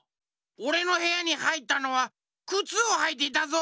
おれのへやにはいったのはくつをはいていたぞ！